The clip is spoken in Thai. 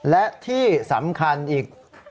และที่สำคัญอีก